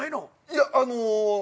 いやあの。